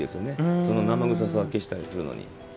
その生臭さを消したりするのに。